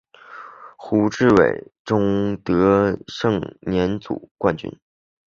胡志伟中夺得盛年组冠军。